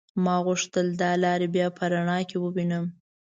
ما غوښتل دا لار بيا په رڼا کې ووينم.